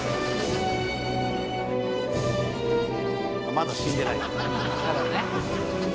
まだ死んでない。